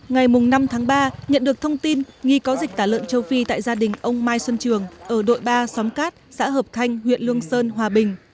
ngày năm tháng ba nhận được thông tin nghi có dịch tả lợn châu phi tại gia đình ông mai xuân trường ở đội ba xóm cát xã hợp thanh huyện lương sơn hòa bình